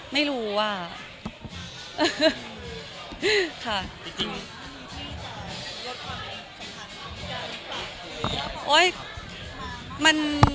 ไม่รู้ว่า